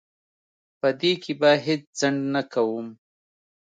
په دې کې به هیڅ ځنډ نه کوم.